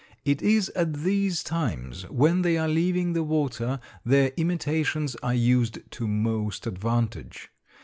It is at these times, when they are leaving the water, their imitations are used to most advantage.